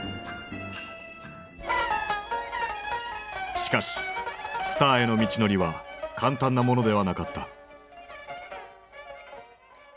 しかしスターへの道のりは簡単なものではなかった。